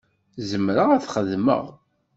Zemreɣ ad t-xedmeɣ?